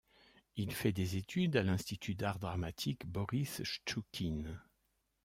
Il fait des études à l'Institut d'art dramatique Boris Chtchoukine.